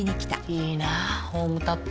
いいなホームタップ。